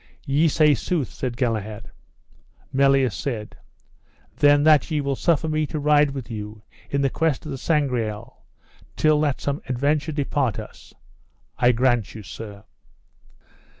Ye say sooth, said Galahad. Melias said: Then that ye will suffer me to ride with you in this quest of the Sangreal, till that some adventure depart us. I grant you, sir.